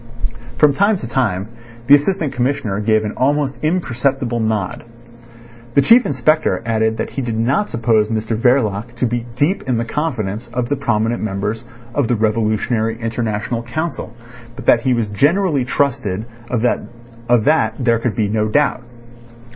From time to time the Assistant Commissioner gave an almost imperceptible nod. The Chief Inspector added that he did not suppose Mr Verloc to be deep in the confidence of the prominent members of the Revolutionary International Council, but that he was generally trusted of that there could be no doubt.